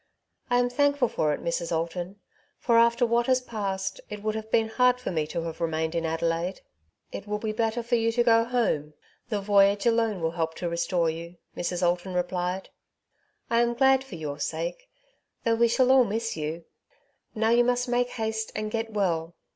I am thankful for it, Mrs. Alton ; for after what has passed, it would have been hard for me to have remained in Adelaide.'' '' It will be better for you to go home ; the voyage alone will help to restore you,'' Mrs. Alton replied. '' I am glad for your sake, though we shall all miss you. Now you must make haste and get well.